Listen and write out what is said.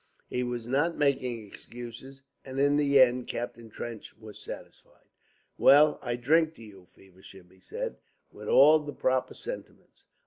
He was not making excuses, and in the end Captain Trench was satisfied. "Well, I drink to you, Feversham," he said, "with all the proper sentiments."